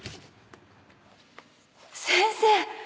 先生！